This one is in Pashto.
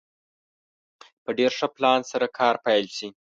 په ډېر ښه پلان سره کار پيل شي.